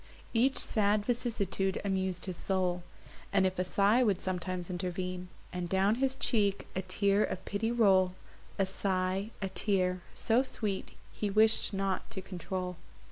Even sad vicissitude amus'd his soul; And if a sigh would sometimes intervene, And down his cheek a tear of pity roll, A sigh, a tear, so sweet, he wish'd not to control.